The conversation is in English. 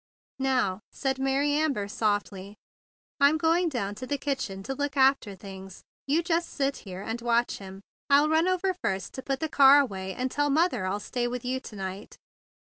"Now," said Mary Amber softly, "I'm going down into the kitchen to look after things. You just sit here and watch him. I'll run over first to put the car away and tell mother I'll stay with you to night."